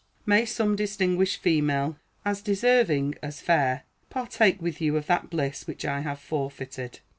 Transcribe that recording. May some distinguished female, as deserving as fair, partake with you of that bliss which I have forfeited.